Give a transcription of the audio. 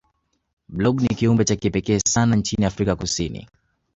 blob ni kiumbe cha kipekee sana nchini afrika kusini